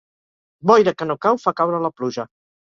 Boira que no cau fa caure la pluja.